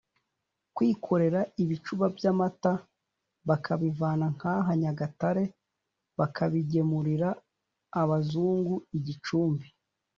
kwikorera ibicuba by’amata bakabivana nk’aha Nyagatare bakabigemurira abazungu i Gicumbi